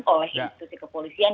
oleh institusi kepolisian